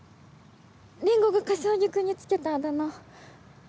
りんごが柏木君につけたあだ名